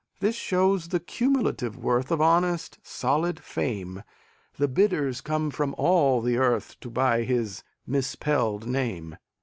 This shows the cumulative worth Of honest, solid fame; The bidders come from all the earth To buy his misspelled name.